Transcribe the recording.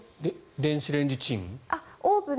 電子レンジチン？